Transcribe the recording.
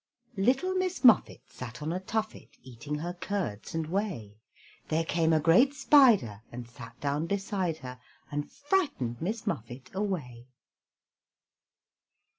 Little Miss Muffet Sat on a tuffet, Eating her curds and whey; There came a great spider, And sat down beside her, And frightened Miss Muffet away.